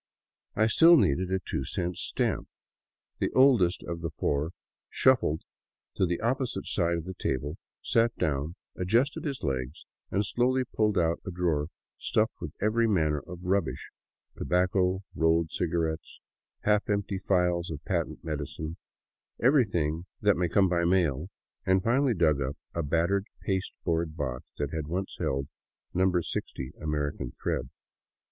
I still needed a two cent stamp. The oldest of the four shuffled to the opposite side of the table, sat down, adjusted his legs, and slowly pulled out a drawer stuffed with every manner of rubbish, — tobacco, rolled cigarettes, half empty phials of patent medicine, everything that may come by mail, — and finally dug up a battered pasteboard box that had once held No. 60 American thread.